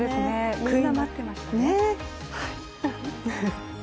みんな待ってましたね。